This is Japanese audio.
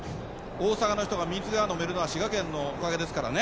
大阪の人が水が飲めるのは滋賀県のおかげですからね。